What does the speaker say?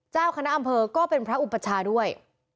เจ้าคณะอำเภอก็เป็นพระอุปชาด้วย